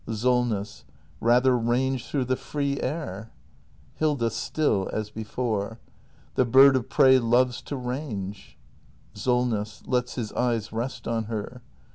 Solness. Rather range through the free air Hilda. [Still as before.] The bird of prey loves to range Solness. [Lets his eyes rest on her.